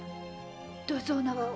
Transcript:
どうぞお縄を。